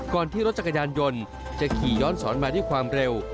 ที่รถจักรยานยนต์จะขี่ย้อนสอนมาด้วยความเร็ว